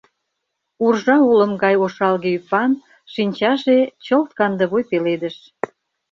Уржа олым гай ошалге ӱпан, шинчаже — чылт кандывуй пеледыш.